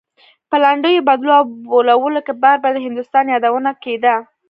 په لنډيو بدلو او بوللو کې بار بار د هندوستان يادونه کېده.